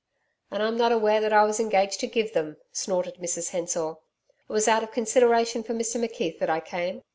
'And I'm not aware that I was engaged to give them,' snorted Mrs Hensor. 'It was out of consideration for Mr McKeith that I came.